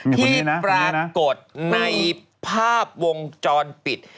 ที่ปรากฏในภาพวงจรปิด